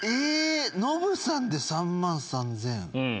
ノブさんで３万３３００。